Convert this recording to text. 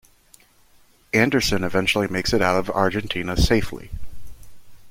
Anderson eventually makes it out of Argentina safely.